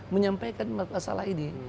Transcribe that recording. menyampaikan masalah ini